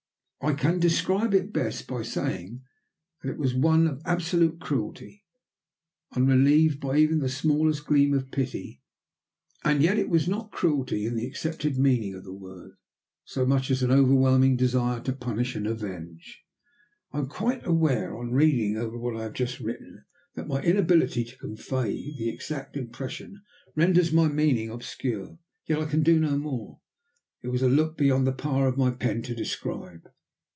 I can describe it best by saying that it was one of absolute cruelty, unrelieved by even the smallest gleam of pity. And yet it was not cruelty in the accepted meaning of the word, so much as an overwhelming desire to punish and avenge. I am quite aware, on reading over what I have just written, that my inability to convey the exact impression renders my meaning obscure. Yet I can do no more. It was a look beyond the power of my pen to describe.